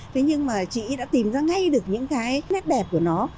thế nhưng mà chị đã tìm ra ngay được những cái nét đẹp của nó